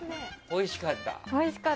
おいしかった？